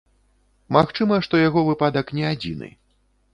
Магчыма, што яго выпадак не адзіны.